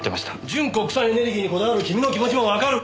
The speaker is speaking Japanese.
純国産エネルギーにこだわる君の気持ちもわかる。